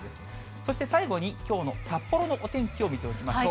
そして最後に、きょうの札幌のお天気を見ておきましょう。